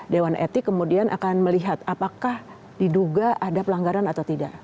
dewan etik kemudian akan melihat apakah diduga ada pelanggaran atau tidak